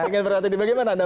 jadi bagaimana anda menanggapi